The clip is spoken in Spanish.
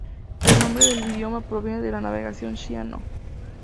El nombre del idioma proviene de la negación "cia" 'no'.